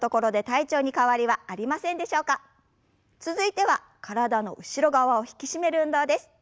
続いては体の後ろ側を引き締める運動です。